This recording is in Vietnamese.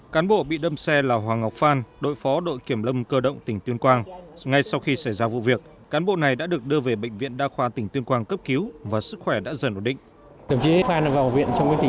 cán bộ bị đâm xe là hoàng ngọc phan đội phó đội kiểm lâm cơ động tỉnh tuyên quang ngay sau khi xảy ra vụ việc cán bộ này đã được đưa về bệnh viện đa khoa tỉnh tuyên quang cấp cứu và sức khỏe đã dần ổn định